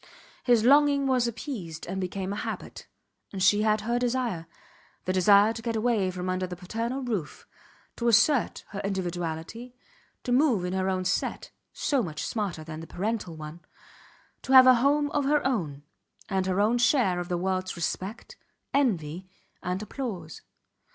His longing was appeased and became a habit; and she had her desire the desire to get away from under the paternal roof, to assert her individuality, to move in her own set (so much smarter than the parental one); to have a home of her own, and her own share of the worlds respect, envy, and applause.